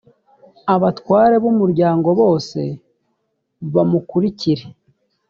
abatware b’umuryango bose bamukurikire.